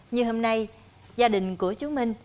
như hôm nay gia đình của chú minh